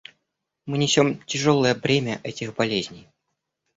Мы несем тяжелое бремя этих болезней.